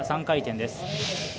３回転です。